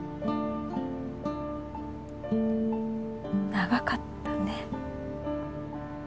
長かったね。